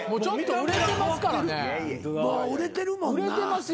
売れてますよ